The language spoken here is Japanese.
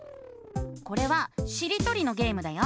これはしりとりのゲームだよ。